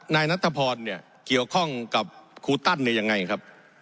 นายนัทธพรเกี่ยวข้องกับครูตั้นอย่างไรครับ